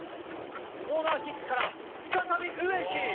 コーナーキックから再び、植木。